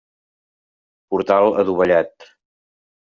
Portal adovellat.